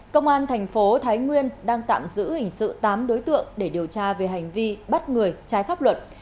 công an thành phố thái nguyên đang tạm giữ hình sự tám đối tượng để điều tra về hành vi bắt người trái pháp luật